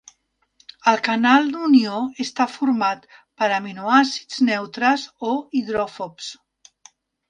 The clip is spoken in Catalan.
El canal d'unió està format per aminoàcids neutres o hidròfobs.